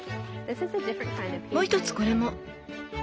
もう一つこれも。